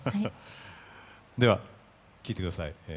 では、聴いてください。